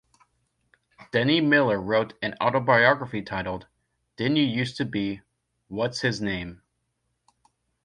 Denny Miller wrote an autobiography titled Didn't You Used To Be...What's His Name?